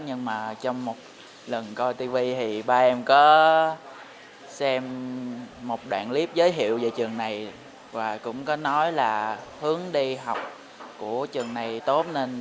nhưng mà trong một lần coi tv thì ba em có xem một đoạn clip giới thiệu về trường này và cũng có nói là hướng đi học của trường này tốt nên